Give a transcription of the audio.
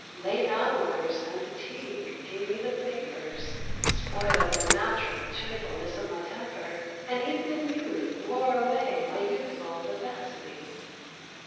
Late hours and fatigue gave me the vapours, spoiled the natural cheerfulness of my temper, and even in youth wore away my youthful vivacity.